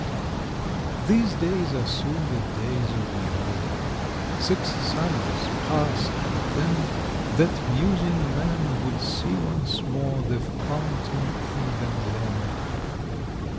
These days are soon the days of yore; Six summers pass, and then That musing man would see once more The fountain in the glen.